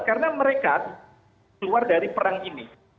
karena mereka keluar dari perang ini